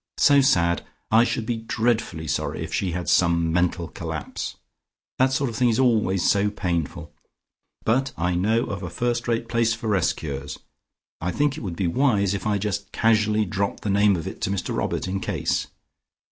So sad! I should be dreadfully sorry if she had some mental collapse; that sort of thing is always so painful. But I know of a first rate place for rest cures; I think it would be wise if I just casually dropped the name of it to Mr Robert, in case.